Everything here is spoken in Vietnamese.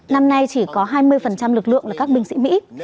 năm nay chỉ có hai mươi lực lượng là các binh sĩ mỹ